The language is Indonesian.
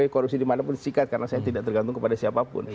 korupsi dimanapun sikat karena saya tidak tergantung kepada siapapun